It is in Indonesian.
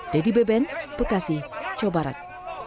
dedy beben bekasi cobarat